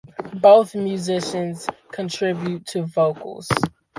Both musicians contribute to vocals.